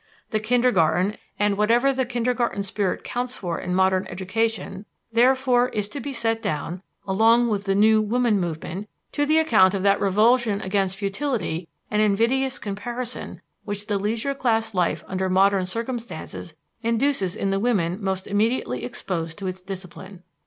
The kindergarten, and whatever the kindergarten spirit counts for in modern education, therefore, is to be set down, along with the "new woman movement," to the account of that revulsion against futility and invidious comparison which the leisure class life under modern circumstances induces in the women most immediately exposed to its discipline.